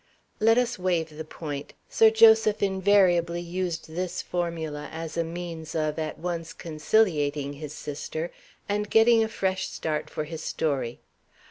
"Let us waive the point." (Sir Joseph invariably used this formula as a means of at once conciliating his sister, and getting a fresh start for his story.)